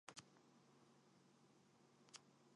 林の中を進むにつれて、煙は濃くなり、目の端が濡れ、水滴が頬を流れた